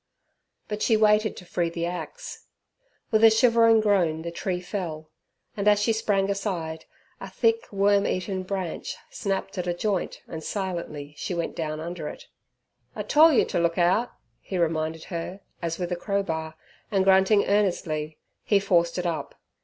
But she waited to free the axe. With a shivering groan the tree fell, and as she sprang aside, a thick worm eaten branch snapped at a joint and silently she went down under it. "I tole yer t' look out," he reminded her, as with a crowbar, and grunting earnestly, he forced it up.